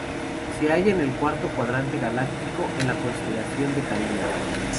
Se halla en el Cuarto Cuadrante Galáctico, en la constelación de Carina.